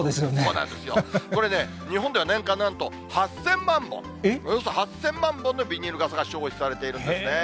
これね、日本では年間なんと８０００万本、およそ８０００万本のビニール傘が消費されているんですね。